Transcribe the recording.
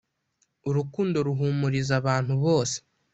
urukundo ruhumuriza abantu bose